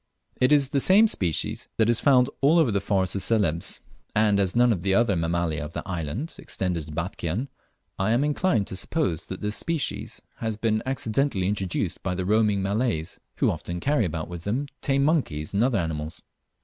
It is the same species that is found all over the forests of Celebes, and as none of the other Mammalia of that island extend into Batchian I am inclined to suppose that this species has been accidentally introduced by the roaming Malays, who often carry about with them tame monkeys and other animals.